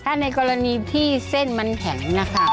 ถ้าในกรณีที่เส้นมันแข็งนะคะ